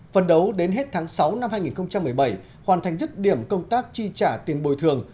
phần đấu đến hết tháng sáu năm hai nghìn một mươi bảy hoàn thành dứt điểm công tác chi trả tiền bồi thường